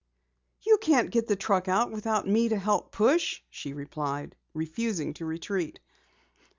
"You can't get the truck out without me to help push," she replied, refusing to retreat.